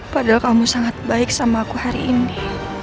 padahal kamu sangat baik sama aku hari ini